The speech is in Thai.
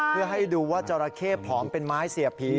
เพื่อให้ดูว่าจราเข้ผอมเป็นไม้เสียบผี